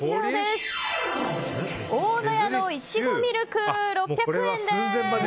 大野屋のいちごミルク、６００円。